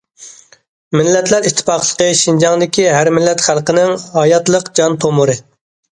مىللەتلەر ئىتتىپاقلىقى شىنجاڭدىكى ھەر مىللەت خەلقىنىڭ ھاياتلىق جان تومۇرى.